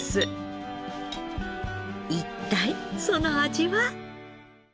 一体その味は？